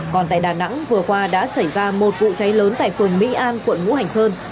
còn tại đà nẵng vừa qua đã xảy ra một vụ cháy lớn tại phường mỹ an quận ngũ hành sơn